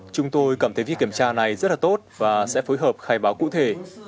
chúng tôi cảm thấy việc kiểm tra này rất là tốt và sẽ phối hợp khai báo cụ thể